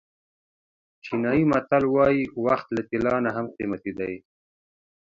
چینایي متل وایي وخت له طلا نه هم قیمتي دی.